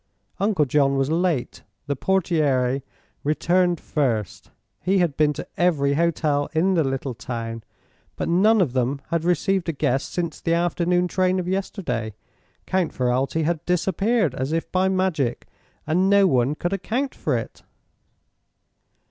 Uncle John was late. The portiere returned first. He had been to every hotel in the little town, but none of them had received a guest since the afternoon train of yesterday. Count Ferralti had disappeared as if by magic, and no one could account for it.